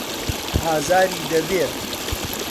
ئازاری دەبێت.